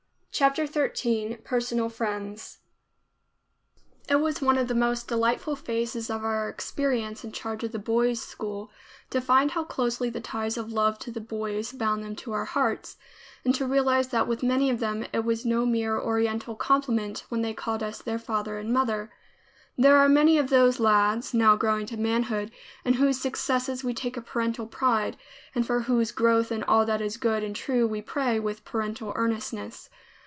CHAPTER XIII PERSONAL FRIENDS It was one of the most delightful phases of our experience in charge of the boys' school to find how closely the ties of love to the boys bound them to our hearts, and to realize that with many of them it was no mere oriental compliment when they called us their father and mother. There are many of those lads, now growing to manhood, in whose successes we take a parental pride, and for whose growth in all that is good and true we pray, with parental earnestness.